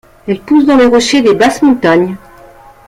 Elle pousse dans les rochers des basses montagnes.